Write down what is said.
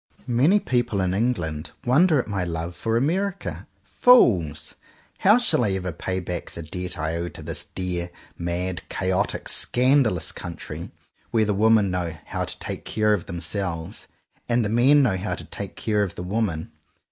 Many people in England wonder at my love for America. Fools ! How shall I ever pay back the debt I owe to this dear, mad, chaotic, scandalous country, where the women know "how to take care of them selves" and the men know how to take care of the women!